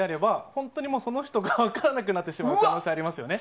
本当にその人か分からなくなってしまう可能性がありますね。